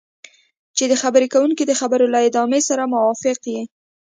چې د خبرې کوونکي د خبرو له ادامې سره موافق یې.